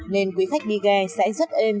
nên quý khách đi ghe sẽ rất êm